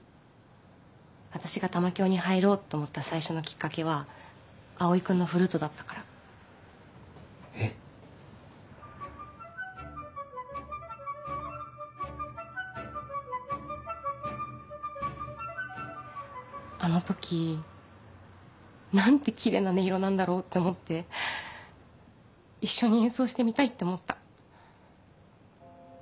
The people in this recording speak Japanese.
私が玉響に入ろうと思った最初のきっかけは蒼君のフルートだったから。えっ？あの時何てキレイな音色なんだろうって思って一緒に演奏してみたいって思った。